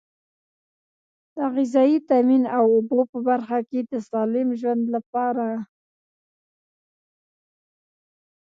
د غذایي تامین او اوبو په برخه کې د سالم ژوند لپاره.